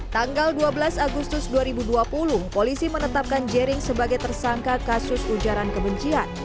tanggal dua belas agustus dua ribu dua puluh polisi menetapkan jering sebagai tersangka kasus ujaran kebencian